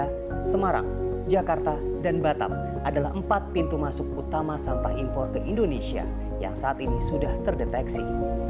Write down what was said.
jakarta semarang jakarta dan batam adalah empat pintu masuk utama sampah impor ke indonesia yang saat ini sudah terdeteksi